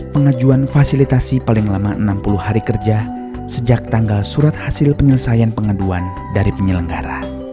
pengajuan fasilitasi paling lama enam puluh hari kerja sejak tanggal surat hasil penyelesaian pengaduan dari penyelenggara